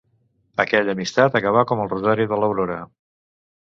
Aquella amistat acaba com el rosari de l'aurora.